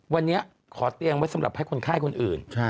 วันนี้ขอเตียงไว้สำหรับให้คนไข้คนอื่น